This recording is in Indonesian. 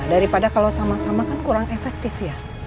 daripada kalau sama sama kan kurang efektif ya